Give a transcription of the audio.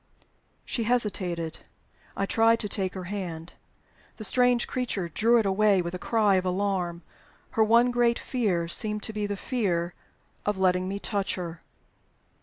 She hesitated. I tried to take her hand. The strange creature drew it away with a cry of alarm: her one great fear seemed to be the fear of letting me touch her.